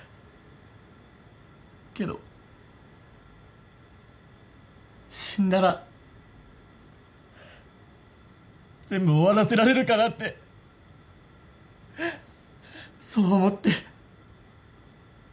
けど死んだら全部終わらせられるかなってそう思って。